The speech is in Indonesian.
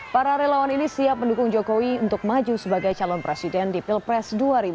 para relawan ini siap mendukung jokowi untuk maju sebagai calon presiden di pilpres dua ribu sembilan belas